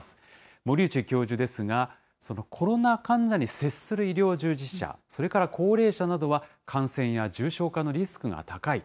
森内教授ですが、コロナ患者に接する医療従事者、それから高齢者などは、感染や重症化のリスクが高い。